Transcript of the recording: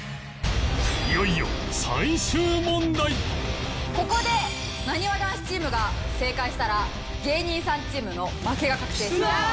いよいよここでなにわ男子チームが正解したら芸人さんチームの負けが確定します。